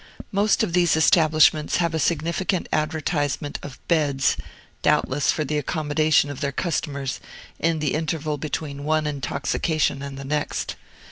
Most of these establishments have a significant advertisement of "Beds," doubtless for the accommodation of their customers in the interval between one intoxication and the next.